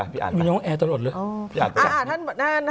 พี่อ่านป่ะพี่อ่านป่ะ